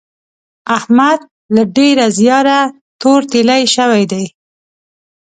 احمد له ډېره زیاره تور تېيلی شوی دی.